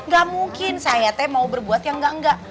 gak mungkin saya teh mau berbuat yang enggak enggak